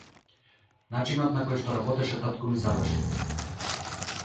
Начинот на кој што работеше татко ми заврши.